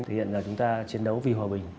thể hiện là chúng ta chiến đấu vì hòa bình